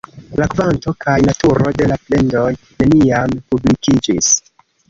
La kvanto kaj naturo de la plendoj neniam publikiĝis.